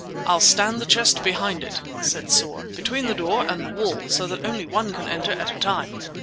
"I'll stand the chest behind it," said Soar; "between the door and the wall, so that only one can enter at a time."